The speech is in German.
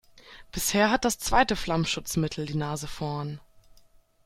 Bisher hat das zweite Flammschutzmittel die Nase vorn.